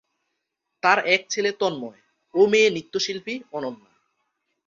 তার এক ছেলে তন্ময় ও মেয়ে নৃত্য শিল্পী অনন্যা।